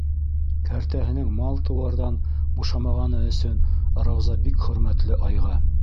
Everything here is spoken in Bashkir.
Кәртәһенең мал-тыуарҙан бушамағаны өсөн Рауза бик хөрмәтле айға.